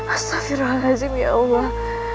astagfirullahaladzim ya allah